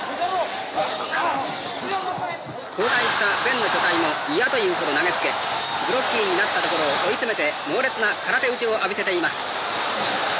交代したベンの巨体も嫌というほど投げつけグロッキーになったところを追い詰めて猛烈な空手打ちを浴びせています。